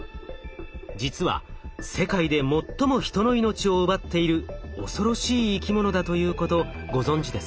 実は世界で最も人の命を奪っている恐ろしい生き物だということご存じですか？